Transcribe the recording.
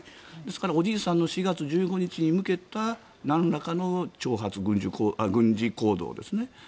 ですから、おじいさんの４月１５日に向けたなんらかの挑発軍事行動ですね。